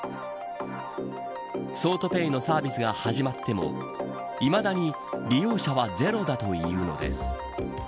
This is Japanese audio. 桑都ペイのサービスが始まってもいまだに利用者はゼロだというのです。